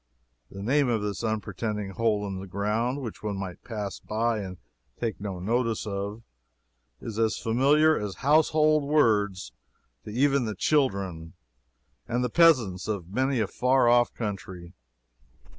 The name of this unpretending hole in the ground, which one might pass by and take no notice of, is as familiar as household words to even the children and the peasants of many a far off country.